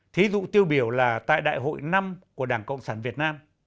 thí dụ tiêu biểu là tại đại hội năm của đảng cộng sản việt nam